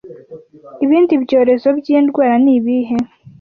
Ibindi byorezo byindwara ni ibihe